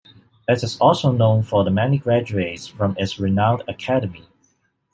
It is also known for the many graduates from its renowned academy.